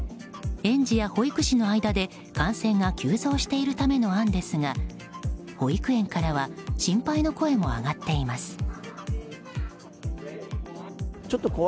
園児や保育士の間で感染が急増しているための案ですが保育園からは心配の声も上がっています。